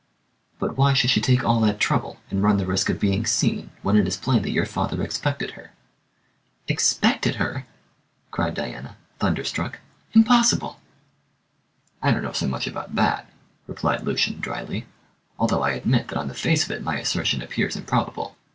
"But why should she take all that trouble, and run the risk of being seen, when it is plain that your father expected her?" "Expected her!" cried Diana, thunderstruck. "Impossible!" "I don't know so much about that," replied Lucian drily, "although I admit that on the face of it my assertion appears improbable.